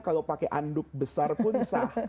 kalau pakai anduk besar pun sah